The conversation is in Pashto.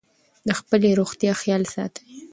د خپلې روغتیا خیال ساتئ.